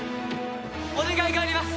お願いがあります！